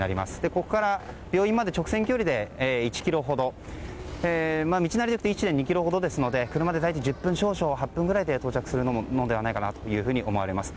ここから病院まで直線距離で１ｋｍほど道なりで行くと１．２ｋｍほどですので車で、大体８分くらいで到着するものと思われます。